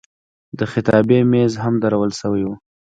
د خطابې میز هم درول شوی و.